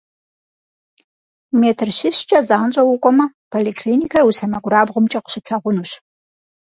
Метр щищкӏэ занщӏэу укӏуэмэ, поликлиникэр уи сэмэгурабгъумкӏэ къыщыплъагъунущ.